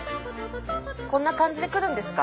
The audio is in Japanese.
こんな感じで来るんですか？